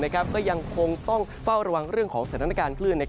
ก็ยังคงต้องเฝ้าระวังเรื่องของสถานการณ์คลื่น